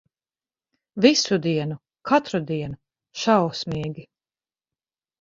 Visu dienu, katru dienu. Šausmīgi.